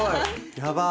やばい！